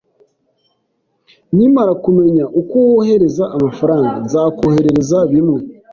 Nkimara kumenya uko wohereza amafaranga, nzakoherereza bimwe.